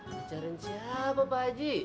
dicariin siapa pak haji